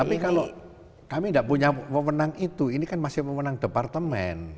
tapi kalau kami tidak punya pemenang itu ini kan masih memenang departemen